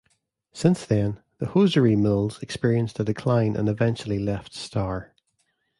Since then, the hosiery mills experienced a decline and eventually left Star.